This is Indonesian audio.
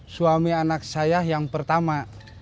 suami anak saya yang pertama